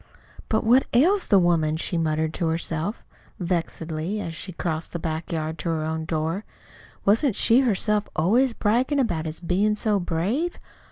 "But what ails the woman?" she muttered to herself, vexedly, as she crossed the back yard to her own door. "Wasn't she herself always braggin' about his bein' so brave?